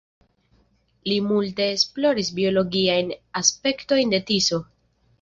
Li multe esploris biologiajn aspektojn de Tiso.